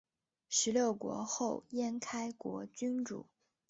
十六国后燕开国君主。